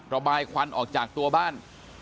ระบายควันออกจากตัวบ้าน